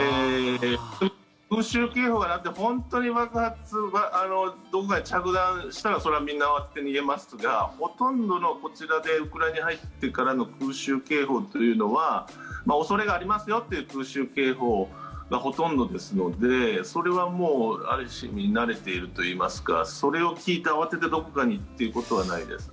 空襲警報が鳴って本当に着弾すればそれはみんな慌てて逃げますがほとんどこちら、ウクライナに入ってからの空襲警報は恐れがありますよという空襲警報がほとんどですのでそれはある意味慣れているといいますかそれを聞いて慌ててどこかにということはないです。